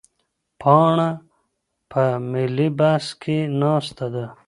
پاڼه په ملي بس کې ناسته ده.